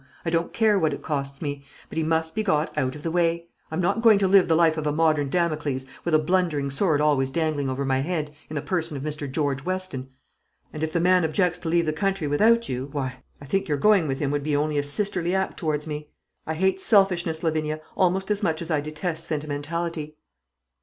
I don't care what it costs me; but he must be got out of the way. I'm not going to live the life of a modern Damocles, with a blundering sword always dangling over my head, in the person of Mr. George Weston. And if the man objects to leave the country without you, why, I think your going with him would be only a sisterly act towards me. I hate selfishness, Lavinia, almost as much as I detest sentimentality."